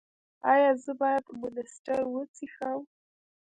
ایا زه باید مانسټر وڅښم؟